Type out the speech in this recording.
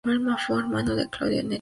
Fue hermano Claudio N. Tirado.